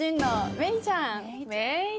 メイちゃん